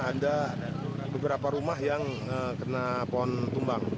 ada beberapa rumah yang kena pohon tumbang